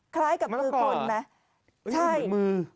คล้ายกับมือคนไหมใช่มือคนค่ะมะละกอ